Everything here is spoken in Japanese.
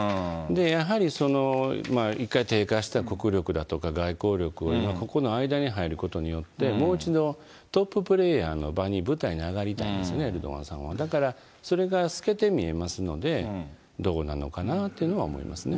やはりその、一回低下した国力だとか外交力をここの間に入ることによって、もう一度トッププレーヤーの場に、舞台に上がりたいんですよね、エルドアンさんは。だからそれが透けて見えますので、どうなのかなっていうのは思いますね。